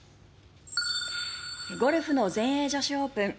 ゴルフの全英女子オープン。